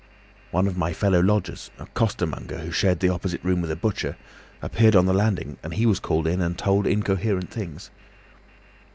One of my fellow lodgers, a coster monger who shared the opposite room with a butcher, appeared on the landing, and he was called in and told incoherent things.